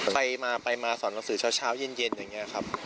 ใครมาไปมาสอนหนังสือเช้าเช้าเย็นอย่างนี้ครับ